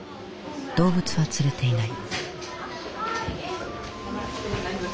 動物は連れていない。